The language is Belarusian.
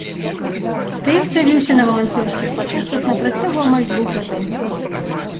Праект рабіўся на валанцёрскіх пачатках на працягу амаль двух гадоў.